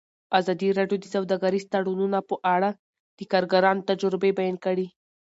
ازادي راډیو د سوداګریز تړونونه په اړه د کارګرانو تجربې بیان کړي.